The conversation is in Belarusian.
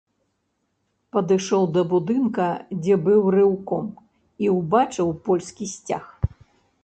Падышоў да будынка, дзе быў рэўком, і ўбачыў польскі сцяг.